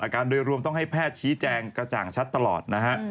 การโดยรวมต้องให้แพทย์ชี้แจงกระจ่างชัดตลอดนะฮะ